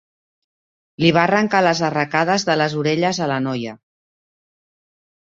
Li va arrancar les arracades de les orelles a la noia.